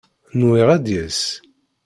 Nwiɣ ad d-yas.